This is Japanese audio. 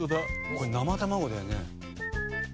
これ生卵だよね？